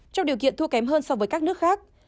trong điều kiện thua kém hơn so với các nước khác